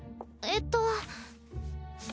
えっと。